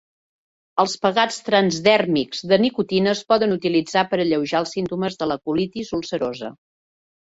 Els pegats transdèrmics de nicotina es poden utilitzar per alleujar els símptomes de la colitis ulcerosa.